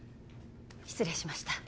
失礼しました